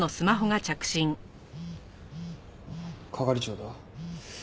係長だ。